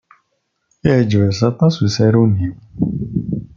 Yeɛjeb-as aṭas usaru-nni.